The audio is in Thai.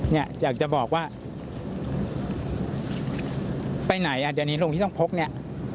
อยากจะบอกว่าไปไหนอ่ะเดี๋ยวนี้ลงที่ต้องพกเนี่ย